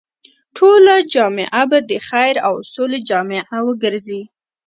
ټوله جامعه به د خير او سولې جامعه وګرځي.